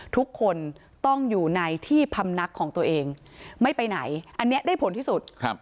ทุกคนต้องอยู่ในที่พำนักของตัวเองไม่ไปไหนอันนี้ได้ผลที่สุด